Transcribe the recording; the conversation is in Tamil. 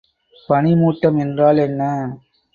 பனிமூட்டம் என்றால் என்ன?